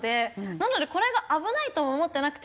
なのでこれが危ないとも思ってなくて。